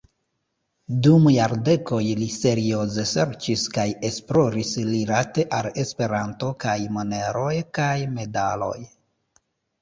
Dum jardekoj li serioze serĉis kaj esploris rilate al Esperanto kaj moneroj kaj medaloj.